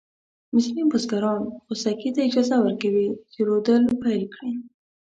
ځینې بزګران خوسکي ته اجازه ورکوي چې رودل پيل کړي.